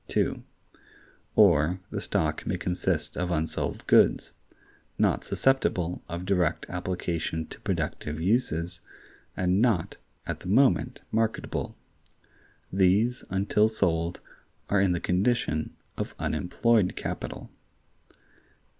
(2) Or the stock may consist of unsold goods, not susceptible of direct application to productive uses, and not, at the moment, marketable: these, until sold, are in the condition of unemployed capital.